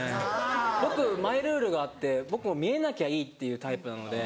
僕マイルールがあって僕も見えなきゃいいっていうタイプなので。